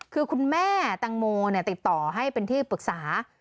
คือคุณแม่แตงโมติดต่อให้เป็นที่ปรึกษา